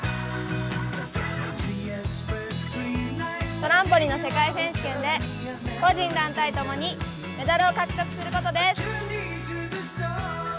トランポリンの世界選手権で個人、団体共にメダルを獲得することです。